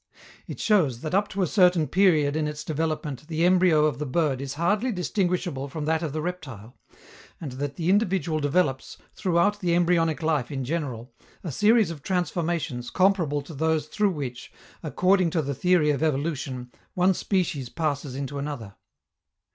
It shows that up to a certain period in its development the embryo of the bird is hardly distinguishable from that of the reptile, and that the individual develops, throughout the embryonic life in general, a series of transformations comparable to those through which, according to the theory of evolution, one species passes into another.